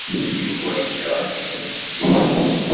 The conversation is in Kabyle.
Yuba yekṛeh tissisin.